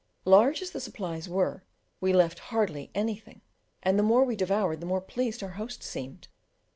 Large as the supplies were, we left hardly anything, and the more we devoured the more pleased our host seemed.